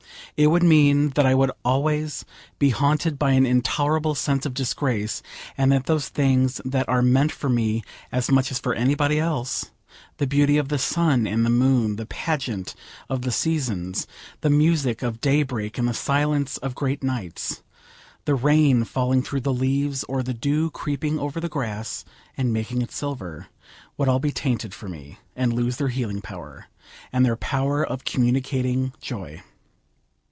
It would mean that I would always be haunted by an intolerable sense of disgrace, and that those things that are meant for me as much as for anybody else the beauty of the sun and moon, the pageant of the seasons, the music of daybreak and the silence of great nights, the rain falling through the leaves, or the dew creeping over the grass and making it silver would all be tainted for me, and lose their healing power, and their power of communicating joy.